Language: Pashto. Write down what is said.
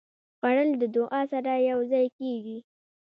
خوړل د دعا سره یوځای کېږي